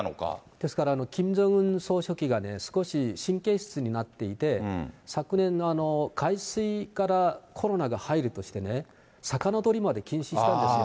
ですから、キム・ジョンウン総書記がね、少し神経質になっていて、昨年の海水からコロナが入るとしてね、魚取りまで禁止したんですよ。